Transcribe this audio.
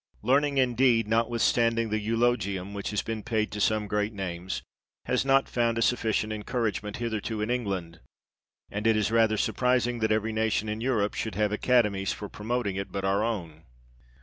Learning indeed, not withstanding the eulogium which has been paid to some great names, has not found a sufficient encourage ment hitherto in England ; and it is rather surprising, that every nation in Europe should have academies for promoting it but our own.